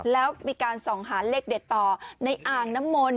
แล้วมีการส่องหาเลขเด็ดต่อในอ่างน้ำมนต